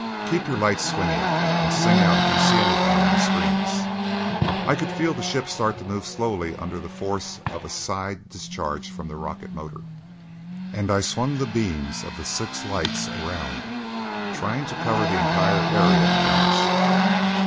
Keep your lights swinging and sing out if you see anything on the screens." I could feel the ship start to move slowly under the force of a side discharge from the rocket motor, and I swung the beams of the six lights around, trying to cover the entire area about us.